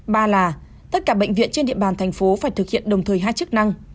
ba là tất cả bệnh viện trên địa bàn thành phố phải thực hiện đồng thời hai chức năng